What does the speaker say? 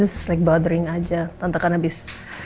ini seperti mengganggu saja tante kan habis